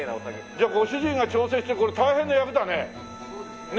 じゃあご主人が調整してこれ大変な役だね。